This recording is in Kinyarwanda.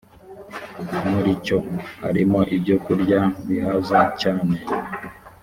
muri cyo harimo ibyokurya bihaza cyane